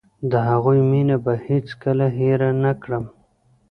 د هغوی مينه به هېڅ کله هېره نکړم.